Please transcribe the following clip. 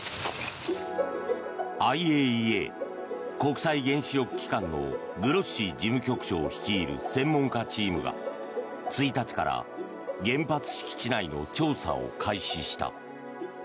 ＩＡＥＡ・国際原子力機関のグロッシ事務局長率いる専門家チームが１日から原発敷地内の調査を開始した。